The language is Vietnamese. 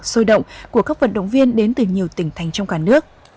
sôi động của các vận động viên đến từ nhiều tỉnh thành trong cả nước